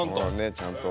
ちゃんと。